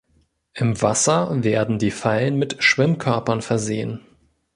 Im Wasser werden die Fallen mit Schwimmkörpern versehen.